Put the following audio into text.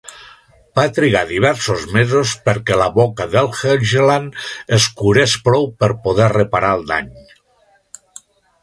Va trigar diversos mesos perquè la boca d'Helgeland es curés prou per poder reparar el dany.